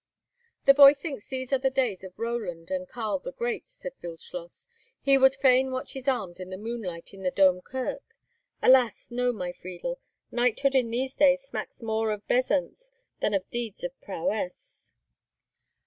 "The boy thinks these are the days of Roland and Karl the Great," said Wildschloss. "He would fain watch his arms in the moonlight in the Dome Kirk! Alas! no, my Friedel! Knighthood in these days smacks more of bezants than of deeds of prowess."